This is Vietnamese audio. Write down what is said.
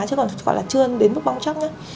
chứ còn gọi là chưa đến mức bóng nhờn